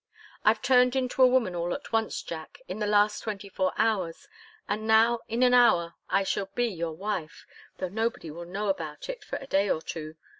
I've turned into a woman all at once, Jack, in the last twenty four hours, and now in an hour I shall be your wife, though nobody will know about it for a day or two.